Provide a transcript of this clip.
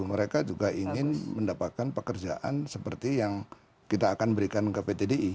mereka juga ingin mendapatkan pekerjaan seperti yang kita akan berikan ke pt di